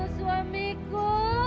kamu sudah bunuh suamiku